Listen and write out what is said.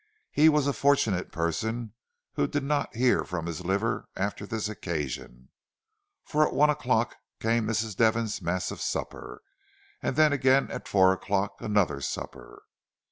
He was a fortunate person who did not hear from his liver after this occasion; for at one o'clock came Mrs. Devon's massive supper, and then again at four o'clock another supper.